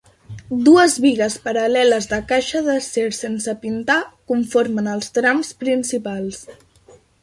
Dues bigues paral·leles de caixa d'acer sense pintar conformen els trams principals.